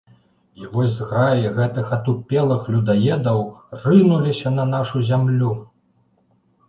І вось зграі гэтых атупелых людаедаў рынуліся на нашу зямлю.